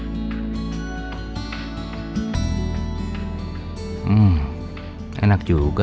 hmm enak juga